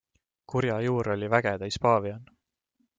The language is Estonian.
Kurja juur oli väge täis paavian.